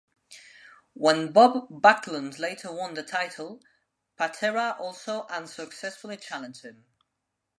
When Bob Backlund later won the title, Patera also unsuccessfully challenged him.